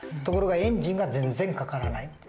ところがエンジンが全然かからない。